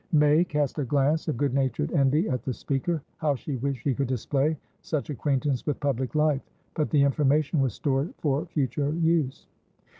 May cast a glance of good natured envy at the speaker. How she wished she could display such acquaintance with public life. But the information was stored for future use.